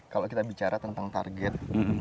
kalau kita bicara tentang target